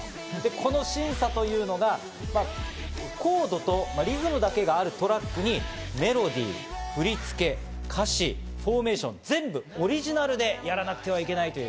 この審査というのがコードとリズムだけがあるトラックにメロディー、振り付け、歌詞、フォーメーション、全部オリジナルでやらなくてはいけないという。